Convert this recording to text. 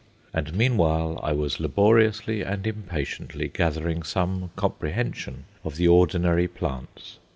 And meanwhile I was laboriously and impatiently gathering some comprehension of the ordinary plants.